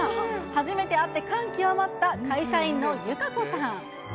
初めて会って感極まった会社員のゆかこさん。